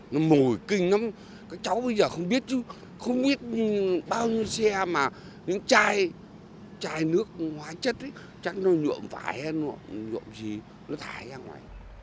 nó mồi kinh lắm các cháu bây giờ không biết bao nhiêu xe mà những chai nước hóa chất chắc nó nhuộm phải hay không nhuộm gì nó thải ra ngoài